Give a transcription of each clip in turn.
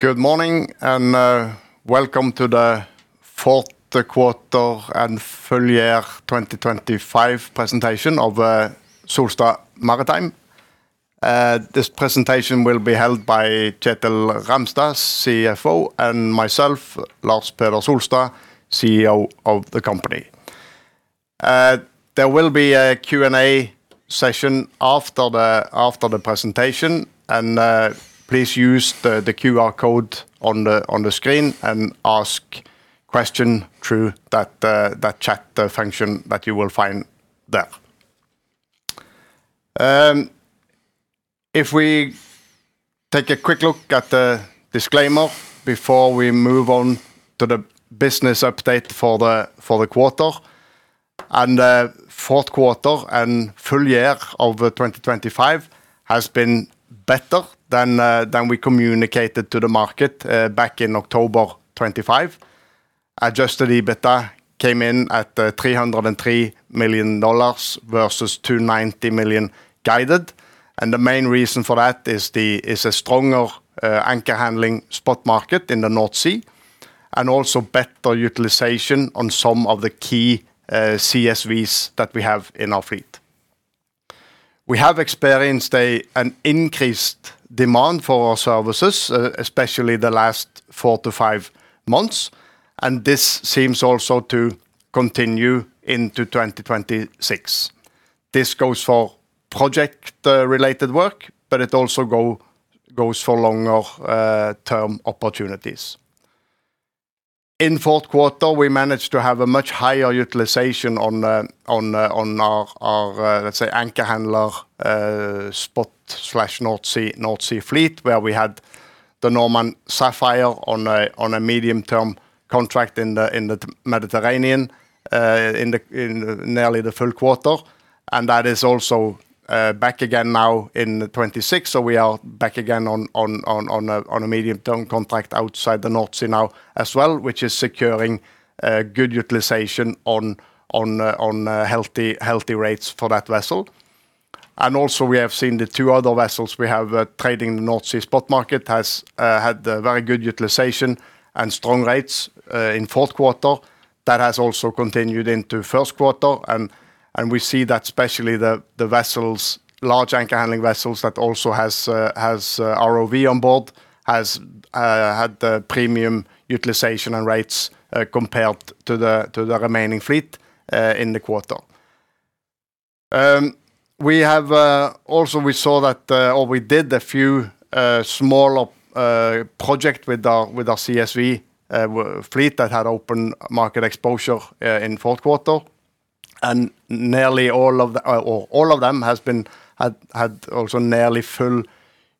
Good morning, and welcome to the fourth quarter and full year 2025 presentation of Solstad Maritime. This presentation will be held by Kjetil Ramstad, CFO, and myself, Lars Peder Solstad, CEO of the company. There will be a Q&A session after the presentation, and please use the QR code on the screen and ask question through that chat function that you will find there. If we take a quick look at the disclaimer before we move on to the business update for the quarter. Fourth quarter and full year of 2025 has been better than we communicated to the market back in October 2025. Adjusted EBITDA came in at $303 million versus $290 million guided, and the main reason for that is a stronger anchor handling spot market in the North Sea, and also better utilization on some of the key CSVs that we have in our fleet. We have experienced an increased demand for our services, especially the last 4-5 months, and this seems also to continue into 2026. This goes for project related work, but it also goes for longer term opportunities. In fourth quarter, we managed to have a much higher utilization on our, let's say, anchor handler spot North Sea fleet, where we had the Normand Sapphire on a medium-term contract in the Mediterranean in nearly the full quarter. That is also back again now in 2026. So we are back again on a medium-term contract outside the North Sea now as well, which is securing good utilization on healthy rates for that vessel. Also we have seen the two other vessels we have trading in the North Sea spot market has had very good utilization and strong rates in fourth quarter. That has also continued into first quarter, and we see that especially the large anchor handling vessels that also has ROV on board has had the premium utilization and rates compared to the remaining fleet in the quarter. We have also seen that or we did a few small projects with our CSV fleet that had open market exposure in fourth quarter. And nearly all of them has had also nearly full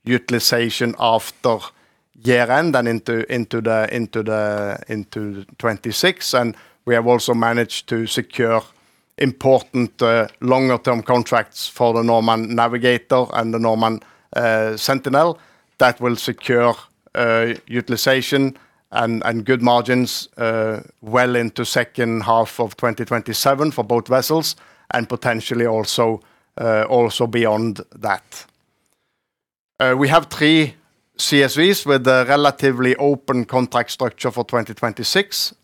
utilization after year-end and into 2026. And we have also managed to secure important longer term contracts for the Normand Navigator and the Normand Sentinel. That will secure utilization and good margins well into second half of 2027 for both vessels and potentially also beyond that. We have three CSVs with a relatively open contract structure for 2026.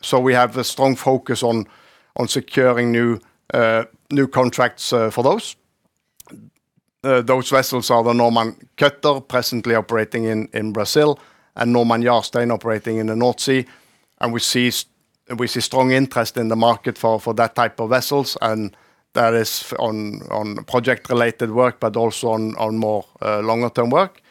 So we have a strong focus on securing new contracts for those. Those vessels are the Normand Cutter, presently operating in Brazil, and Normand Jarstein operating in the North Sea. We see strong interest in the market for that type of vessels, and that is on project-related work, but also on more longer-term work.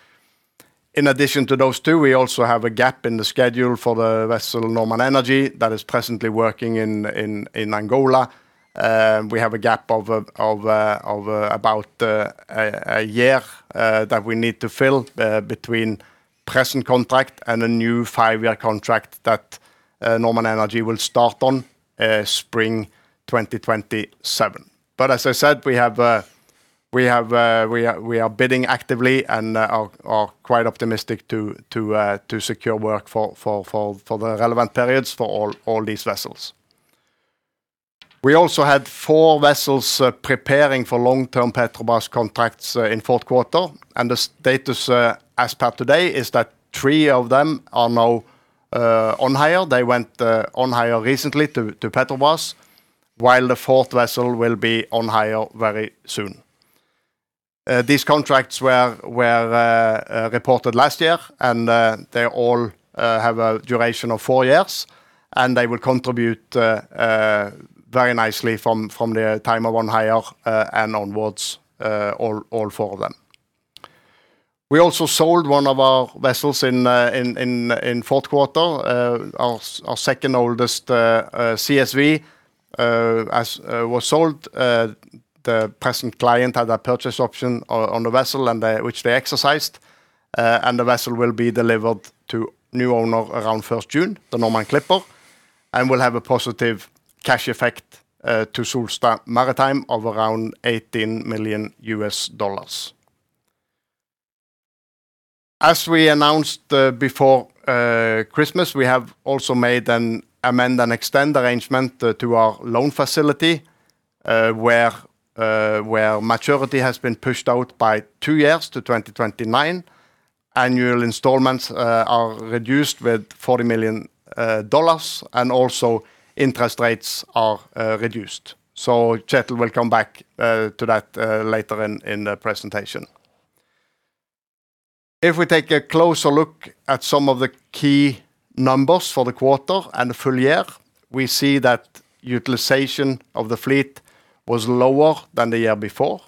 In addition to those two, we also have a gap in the schedule for the vessel Normand Energy that is presently working in Angola. We have a gap of about a year that we need to fill between present contract and a new five-year contract that Normand Energy will start on spring 2027. But as I said, we are bidding actively and are quite optimistic to secure work for the relevant periods for all these vessels. We also had four vessels preparing for long-term Petrobras contracts in fourth quarter, and the status as per today is that three of them are now on hire. They went on hire recently to Petrobras, while the fourth vessel will be on hire very soon. These contracts were reported last year, and they all have a duration of four years, and they will contribute very nicely from the time of on hire and onwards, all four of them. We also sold one of our vessels in fourth quarter. Our second oldest CSV was sold. The present client had a purchase option on the vessel, and which they exercised, and the vessel will be delivered to new owner around first June, the Normand Clipper, and will have a positive cash effect to Solstad Maritime of around $18 million. As we announced before Christmas, we have also made an amend-and-extend arrangement to our loan facility.... Where maturity has been pushed out by two years to 2029. Annual installments are reduced with $40 million, and also interest rates are reduced. So Kjetil will come back to that later in the presentation. If we take a closer look at some of the key numbers for the quarter and the full year, we see that utilization of the fleet was lower than the year before.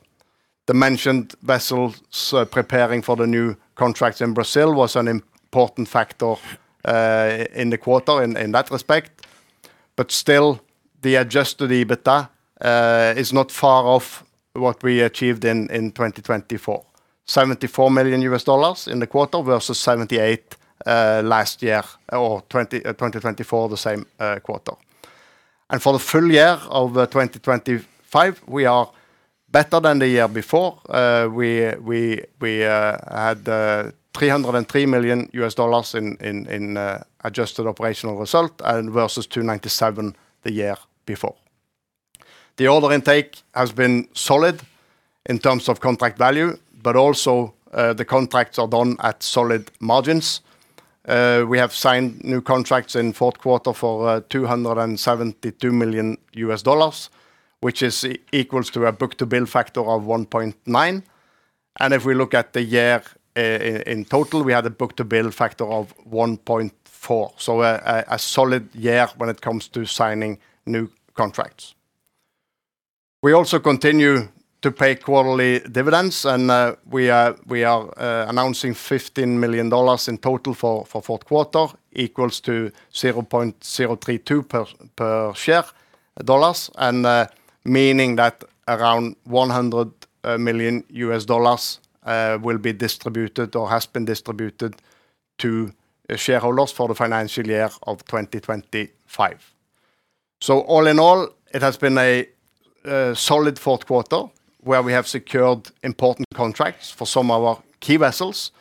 The mentioned vessels preparing for the new contracts in Brazil was an important factor in the quarter in that respect. But still, the Adjusted EBITDA is not far off what we achieved in 2024. $74 million in the quarter versus $78 million last year or 2024, the same quarter. For the full year of 2025, we are better than the year before. We had $303 million in adjusted operational result versus $297 million the year before. The order intake has been solid in terms of contract value, but also, the contracts are done at solid margins. We have signed new contracts in fourth quarter for $272 million, which equals a book-to-bill factor of 1.9. And if we look at the year in total, we had a book-to-bill factor of 1.4, so a solid year when it comes to signing new contracts. We also continue to pay quarterly dividends, and we are announcing $15 million in total for fourth quarter, equals to $0.032 per share dollars. Meaning that around $100 million will be distributed or has been distributed to shareholders for the financial year of 2025. So all in all, it has been a solid fourth quarter, where we have secured important contracts for some of our key vessels.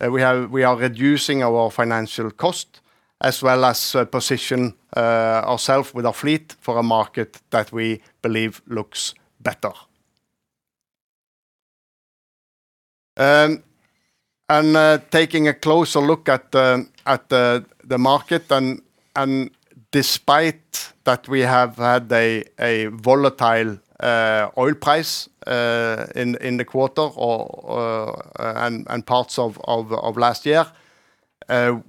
We are reducing our financial cost as well as position ourselves with our fleet for a market that we believe looks better. Taking a closer look at the market and despite that, we have had a volatile oil price in the quarter and parts of last year,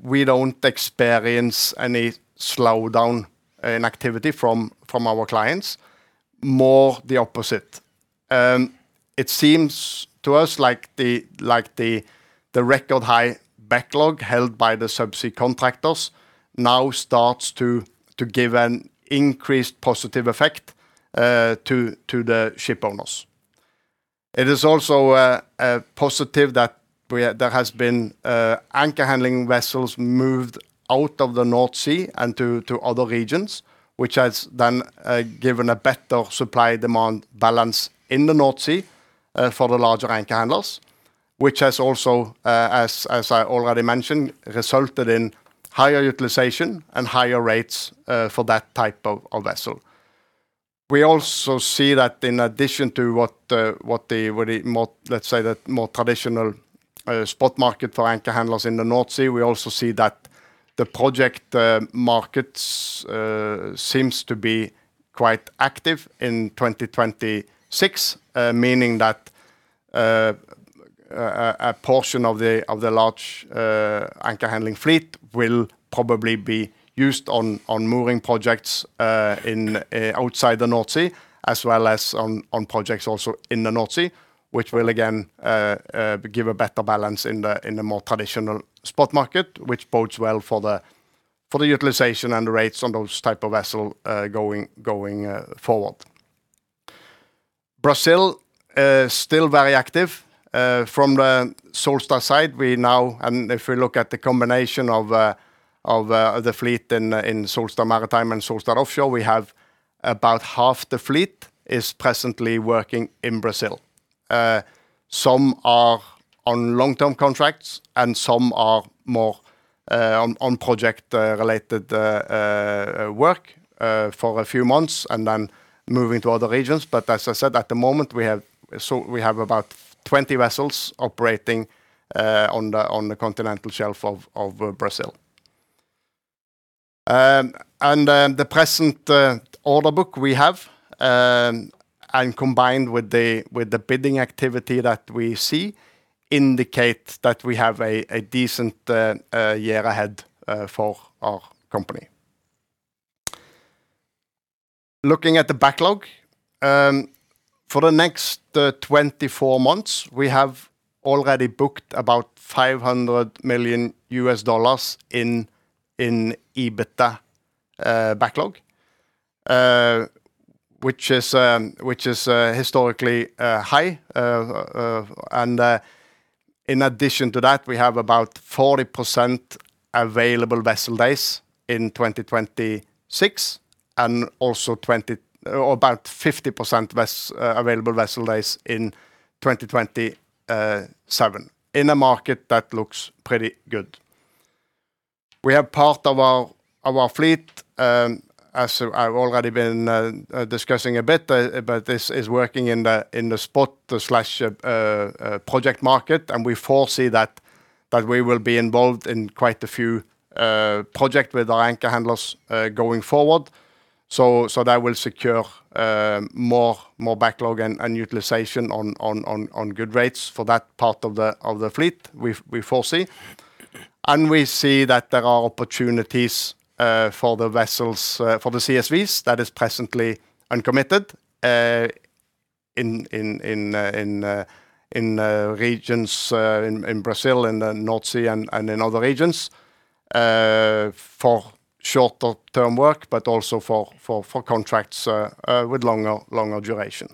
we don't experience any slowdown in activity from our clients. More the opposite. It seems to us like the record high backlog held by the subsea contractors now starts to give an increased positive effect to the shipowners. It is also a positive that there has been anchor handling vessels moved out of the North Sea and to other regions, which has then given a better supply-demand balance in the North Sea for the larger anchor handlers. Which has also, as I already mentioned, resulted in higher utilization and higher rates, for that type of vessel. We also see that in addition to what the more... let's say, the more traditional, spot market for anchor handlers in the North Sea, we also see that the project markets seems to be quite active in 2026. Meaning that, a portion of the large, anchor handling fleet will probably be used on, on mooring projects, in, outside the North Sea, as well as on, projects also in the North Sea, which will again, give a better balance in the, more traditional spot market, which bodes well for the, utilization and the rates on those type of vessel, going, forward. Brazil still very active. From the Solstad side, we now, and if we look at the combination of the fleet in Solstad Maritime and Solstad Offshore, we have about half the fleet is presently working in Brazil. Some are on long-term contracts, and some are more on project related work for a few months and then moving to other regions. But as I said, at the moment, we have about 20 vessels operating on the continental shelf of Brazil. And the present order book we have, and combined with the bidding activity that we see, indicate that we have a decent year ahead for our company. Looking at the backlog, for the next 24 months, we have already booked about $500 million in EBITDA backlog, which is historically high. And in addition to that, we have about 40% available vessel days in 2026, and also or about 50% less available vessel days in 2027, in a market that looks pretty good. We have part of our fleet, as I've already been discussing a bit, but this is working in the spot slash project market, and we foresee that we will be involved in quite a few project with our anchor handlers going forward. So that will secure more backlog and utilization on good rates for that part of the fleet we foresee. We see that there are opportunities for the vessels for the CSVs that is presently uncommitted in regions in Brazil, in the North Sea, and in other regions for shorter-term work, but also for contracts with longer duration.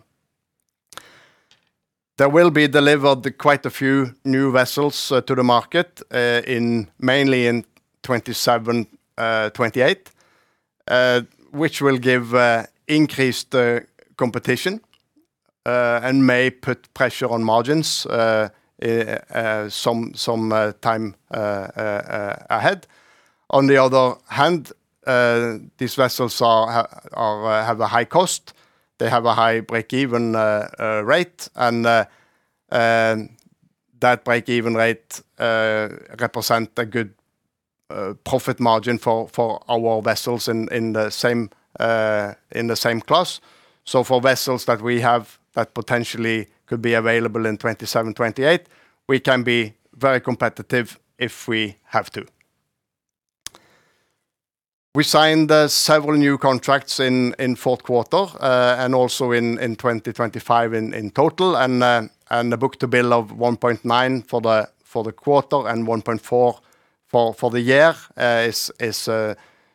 There will be delivered quite a few new vessels to the market mainly in 2027, 2028, which will give increased competition and may put pressure on margins some time ahead. On the other hand, these vessels are, have a high cost. They have a high breakeven rate, and that breakeven rate represent a good profit margin for our vessels in the same class. So for vessels that we have that potentially could be available in 2027, 2028, we can be very competitive if we have to. We signed several new contracts in fourth quarter and also in 2025 in total, and the book-to-bill of 1.9 for the quarter and 1.4 for the year is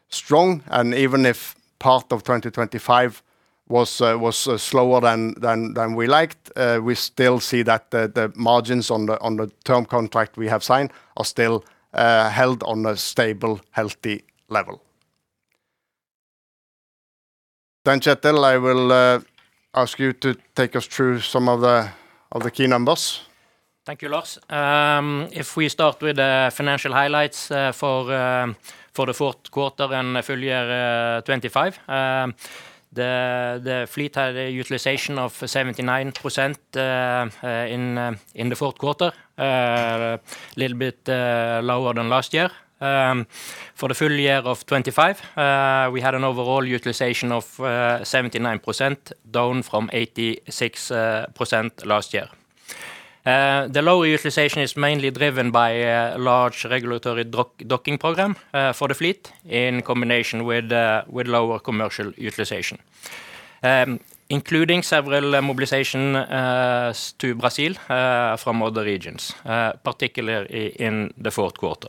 strong. And even if part of 2025 was slower than we liked, we still see that the margins on the term contract we have signed are still held on a stable, healthy level. Then, Kjetil, I will ask you to take us through some of the key numbers. Thank you, Lars. If we start with the financial highlights, for the fourth quarter and full year 2025, the fleet had a utilization of 79%, in the fourth quarter, little bit lower than last year. For the full year of 2025, we had an overall utilization of 79%, down from 86% last year. The lower utilization is mainly driven by large regulatory docking program for the fleet, in combination with lower commercial utilization. Including several mobilization to Brazil from other regions, particularly in the fourth quarter.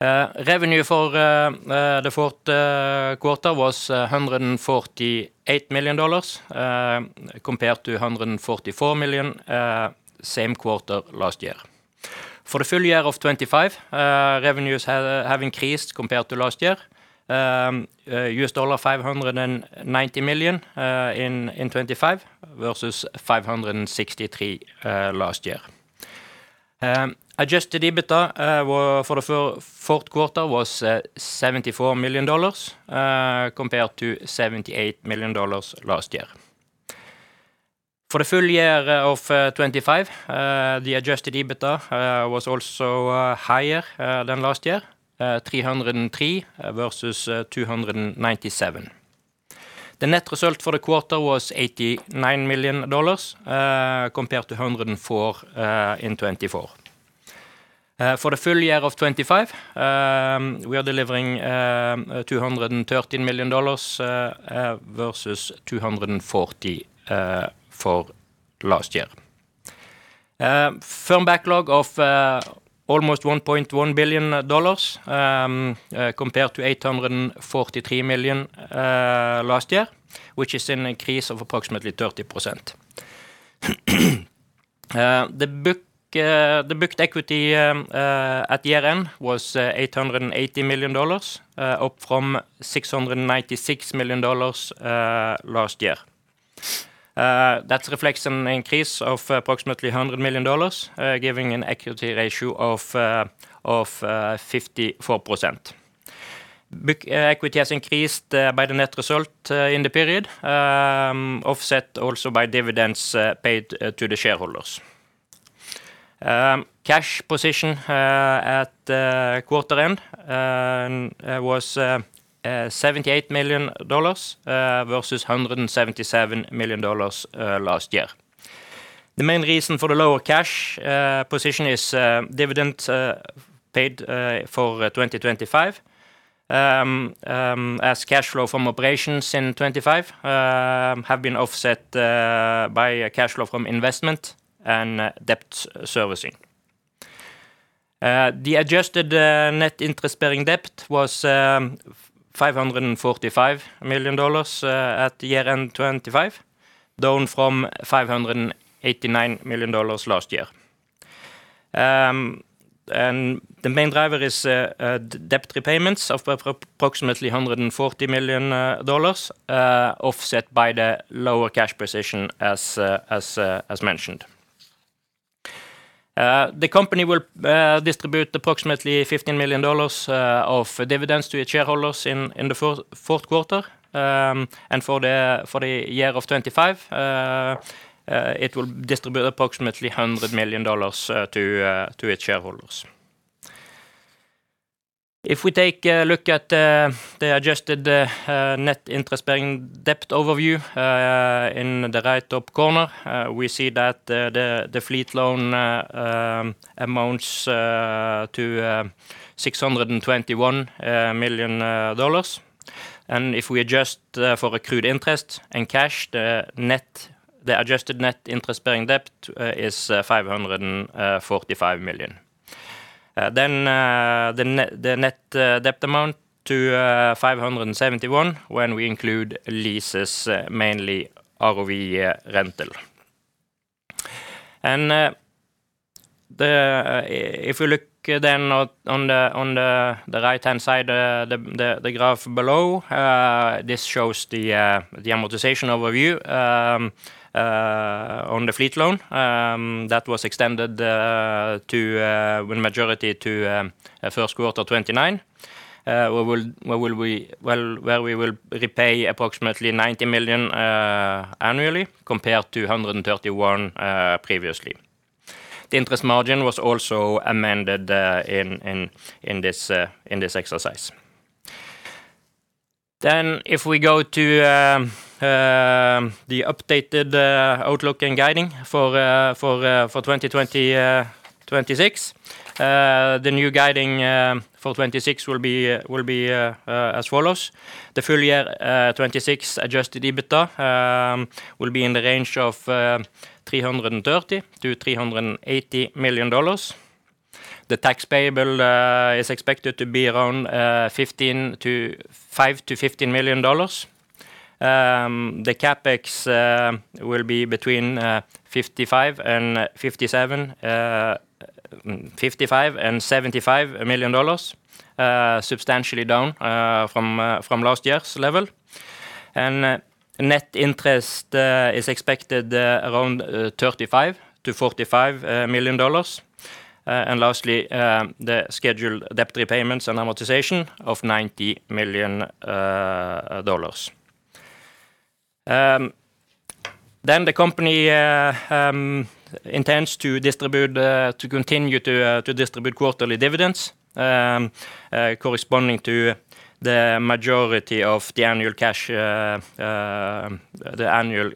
Revenue for the fourth quarter was $148 million, compared to $144 million same quarter last year. For the full year of 2025, revenues have increased compared to last year. $590 million in 2025 versus $563 million last year. Adjusted EBITDA for the fourth quarter was $74 million compared to $78 million last year. For the full year of 2025, the adjusted EBITDA was also higher than last year, $303 million versus $297 million. The net result for the quarter was $89 million compared to $104 million in 2024. For the full year of 2025, we are delivering $213 million versus $240 million for last year. Firm backlog of almost $1.1 billion, compared to $843 million last year, which is an increase of approximately 30%. The book, the booked equity at year-end was $880 million, up from $696 million last year. That reflects an increase of approximately $100 million, giving an equity ratio of 54%. Book equity has increased by the net result in the period, offset also by dividends paid to the shareholders. Cash position at quarter end was $78 million, versus $177 million last year. The main reason for the lower cash position is dividend paid for 2025. As cash flow from operations in 2025 have been offset by a cash flow from investment and debt servicing. The adjusted net interest-bearing debt was $545 million at the year-end 2025, down from $589 million last year. And the main driver is debt repayments of approximately $140 million, offset by the lower cash position as mentioned. The company will distribute approximately $15 million of dividends to its shareholders in the fourth quarter. And for the year of 2025, it will distribute approximately $100 million to its shareholders. If we take a look at the adjusted net interest-bearing debt overview in the right top corner, we see that the fleet loan amounts to $621 million. And if we adjust for accrued interest and cash, the adjusted net interest-bearing debt is $545 million. Then the net debt amounts to $571 million when we include leases, mainly ROV rental. And if you look then on the right-hand side, the graph below this shows the amortization overview on the fleet loan that was extended to with maturity to first quarter 2029. Well, where we will repay approximately $90 million annually, compared to 131 previously. The interest margin was also amended in this exercise. Then if we go to the updated outlook and guidance for 2026. The new guidance for 2026 will be as follows: The full year 2026 adjusted EBITDA will be in the range of $330 million-$380 million. The tax payable is expected to be around $5 million-$15 million. The CapEx will be between 55 and 75 million dollars, substantially down from last year's level. Net interest is expected around $35 million-$45 million. And lastly, the scheduled debt repayments and amortization of $90 million. Then the company intends to continue to distribute quarterly dividends corresponding to the majority of the annual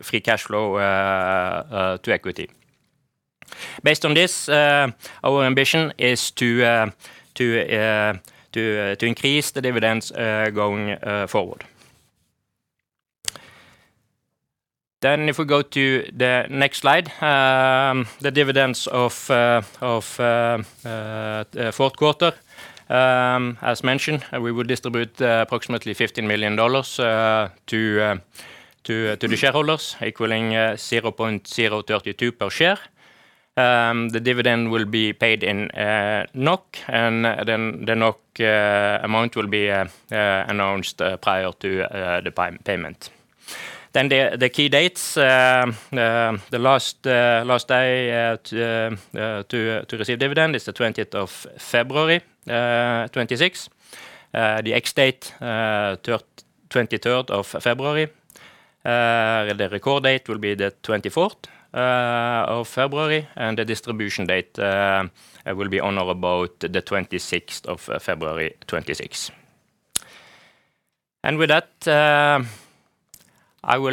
free cash flow to equity. Based on this, our ambition is to increase the dividends going forward. Then if we go to the next slide, the dividends of the fourth quarter. As mentioned, we will distribute approximately $15 million to the shareholders, equaling $0.032 per share. The dividend will be paid in NOK, and then the NOK amount will be announced prior to the payment. Then the key dates, the last day to receive dividend is the February 20, 2026. The ex-date, February 23, The record date will be the February 24, and the distribution date will be on or about the February 26, 2026. And with that, I will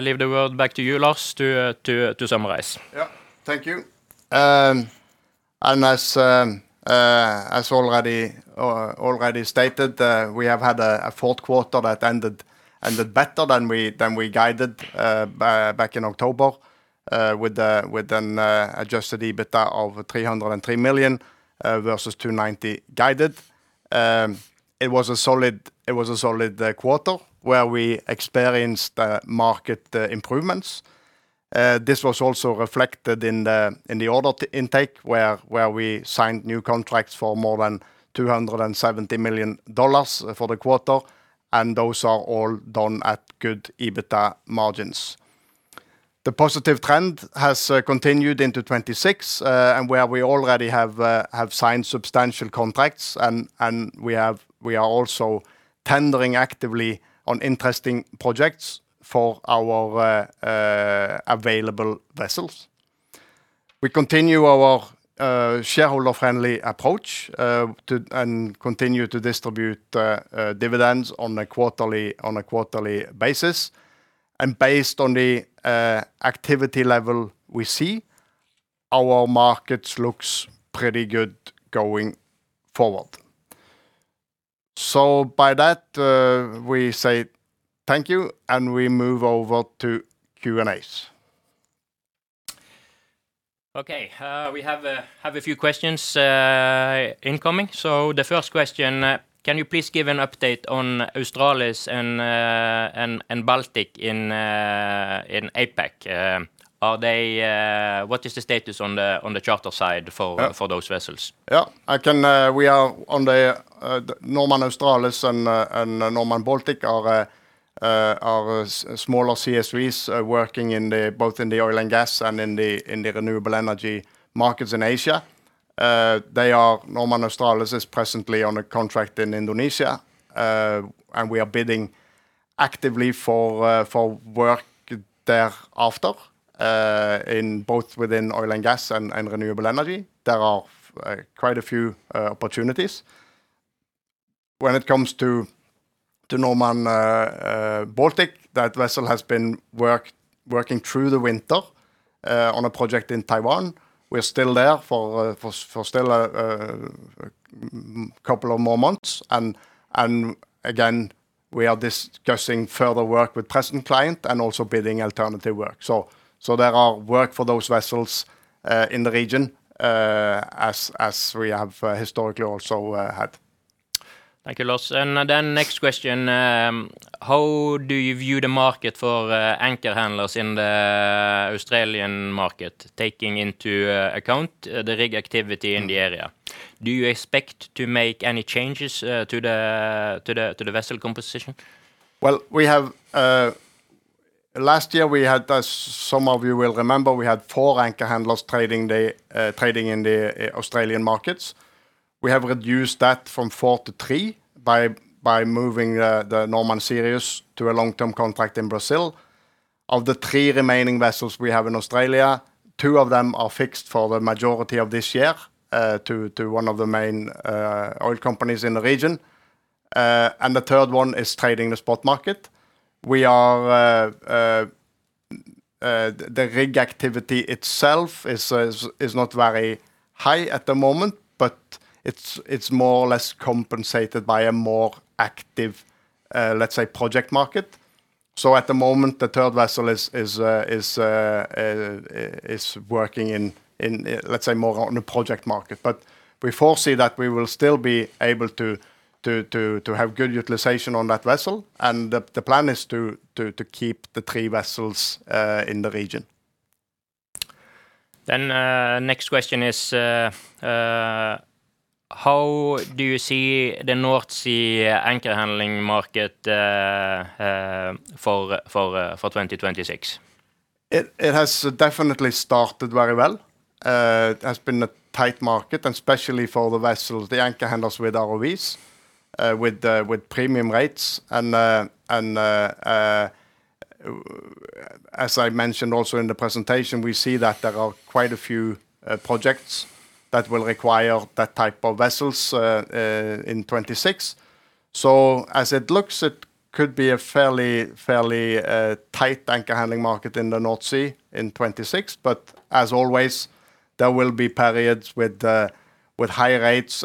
leave the word back to you, Lars, to summarize. Yeah. Thank you. And as already stated, we have had a fourth quarter that ended better than we guided back in October, with an adjusted EBITDA of $303 million versus $290 guided. It was a solid quarter, where we experienced market improvements. This was also reflected in the order intake, where we signed new contracts for more than $270 million for the quarter, and those are all done at good EBITDA margins. The positive trend has continued into 2026, and we already have signed substantial contracts and we are also tendering actively on interesting projects for our available vessels. We continue our shareholder-friendly approach to and continue to distribute dividends on a quarterly basis. And based on the activity level we see, our markets looks pretty good going forward. So by that, we say thank you, and we move over to Q&As. Okay, we have a few questions incoming. So the first question: Can you please give an update on Australis and Baltic in APAC? Are they... What is the status on the charter side for- Yeah... for those vessels? Yeah, I can. The Normand Australis and the Normand Baltic are our smaller CSVs are working in both the oil and gas and in the renewable energy markets in Asia. They are. The Normand Australis is presently on a contract in Indonesia, and we are bidding actively for work there after in both within oil and gas and renewable energy. There are quite a few opportunities. When it comes to the Normand Baltic, that vessel has been working through the winter on a project in Taiwan. We are still there for still a couple of more months, and again, we are discussing further work with present client and also bidding alternative work. So there are work for those vessels in the region, as we have historically also had. Thank you, Lars. And then next question, how do you view the market for anchor handlers in the Australian market, taking into account the rig activity in the area? Do you expect to make any changes to the vessel composition? Well, we have. Last year, we had, as some of you will remember, we had four anchor handlers trading in the Australian markets. We have reduced that from four to three by moving the Normand Sirius to a long-term contract in Brazil. Of the three remaining vessels we have in Australia, two of them are fixed for the majority of this year to one of the main oil companies in the region. And the third one is trading the spot market. The rig activity itself is not very high at the moment, but it's more or less compensated by a more active, let's say, project market. At the moment, the third vessel is working in, let's say, more on the project market. But we foresee that we will still be able to have good utilization on that vessel, and the plan is to keep the three vessels in the region. Next question is: How do you see the North Sea anchor handling market for 2026? It has definitely started very well. It has been a tight market, especially for the vessels, the anchor handlers with ROVs, with premium rates. And, as I mentioned also in the presentation, we see that there are quite a few projects that will require that type of vessels in 2026. So as it looks, it could be a fairly tight anchor handling market in the North Sea in 2026. But as always, there will be periods with high rates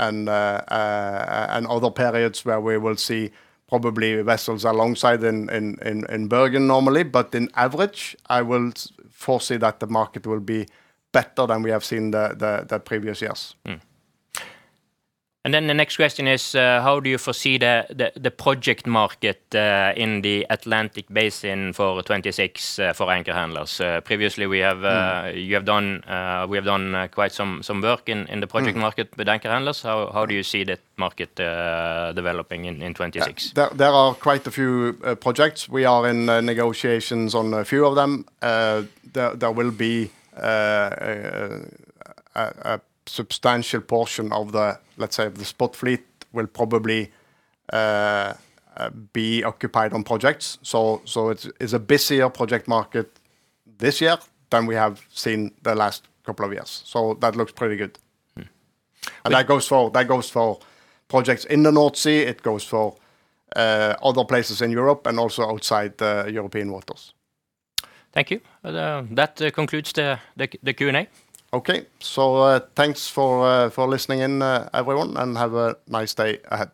and other periods where we will see probably vessels alongside in Bergen normally. But in average, I will foresee that the market will be better than we have seen the previous years. And then the next question is: How do you foresee the project market in the Atlantic Basin for 2026 for anchor handlers? Previously, we have Mm... you have done, we have done quite some work in the project market- Mm... with anchor handlers. How, how do you see that market developing in 2026? There are quite a few projects. We are in negotiations on a few of them. There will be a substantial portion of the, let's say, the spot fleet will probably be occupied on projects. So it's a busier project market this year than we have seen the last couple of years. So that looks pretty good. Mm. That goes for projects in the North Sea, it goes for other places in Europe, and also outside the European waters. Thank you. That concludes the Q&A. Okay. Thanks for listening in, everyone, and have a nice day ahead.